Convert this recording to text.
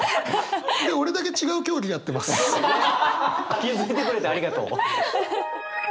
気付いてくれてありがとう。